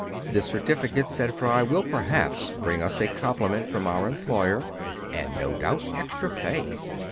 "This certificate," said Fry, "will perhaps bring us a compliment from our employer, and, no doubt, extra pay."